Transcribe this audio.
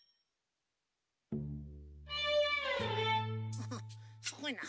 ハハッすごいな。